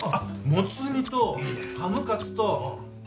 もつ煮とハムカツと肉じゃが！